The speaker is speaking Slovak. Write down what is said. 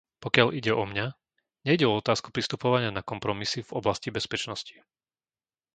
Pokiaľ ide o mňa, nejde o otázku pristupovania na kompromisy v oblasti bezpečnosti.